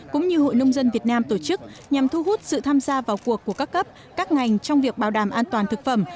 cũng như hội nông dân việt nam tổ chức nhằm thu hút sự tham gia vào cuộc của các cấp các ngành trong việc bảo đảm an toàn thực phẩm